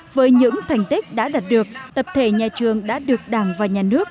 với những thành tích đã đạt được tập thể nhà trường đã được đảng và nhà nước